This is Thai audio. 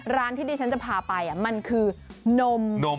ร้านที่ดิฉันจะพาไปมันคือนม